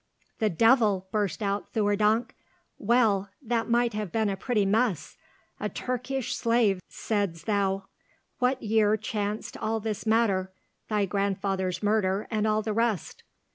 "The devil!" burst out Theurdank. "Well! that might have been a pretty mess! A Turkish slave, saidst thou! What year chanced all this matter—thy grandfather's murder and all the rest?"